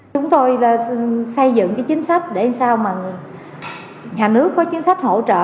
chúng tôi xây dựng chính sách để sao nhà nước có chính sách hỗ trợ